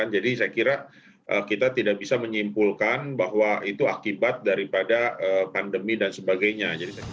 jadi saya kira kita tidak bisa menyimpulkan bahwa itu akibat daripada pandemi dan sebagainya